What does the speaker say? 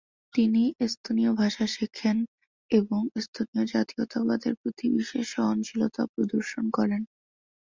তিনি এস্তোনীয় ভাষা শেখেন এবং এস্তোনীয় জাতীয়তাবাদের প্রতি বিশেষ সহনশীলতা প্রদর্শন করেন।